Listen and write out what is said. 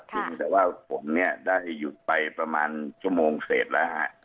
ก็ว่าว่าผมเนี่ยได้หยุดไปประมาณชั่วโมงเศสล่ะ